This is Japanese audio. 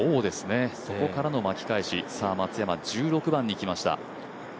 そこからの巻き返し、松山１６番に来ました。